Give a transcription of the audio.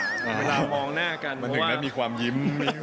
เวลามองหน้ากันเพราะว่ามันถึงแล้วมีความยิ้ม